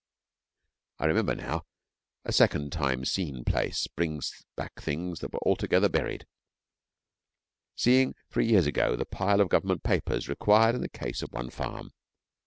I remember now a second time seen place brings back things that were altogether buried seeing three years ago the pile of Government papers required in the case of one farm.